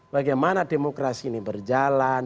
bagaimana demokrasi ini berjalan